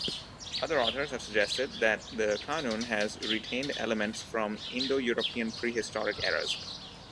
Other authors have suggested that the Kanun has retained elements from Indo-European prehistoric eras.